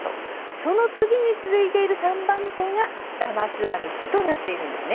その次に続いている３番手がラマスワミ氏となっています。